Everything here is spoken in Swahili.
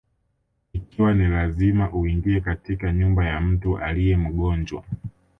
Ikiwa ni lazima uingie katika nyumba ya mtu aliye mgonjwa: